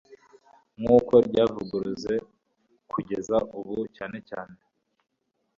nk uko ryavuguruze kugeza ubu cyane cyane